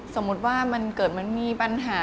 สมมุติว่ามันเกิดมันมีปัญหา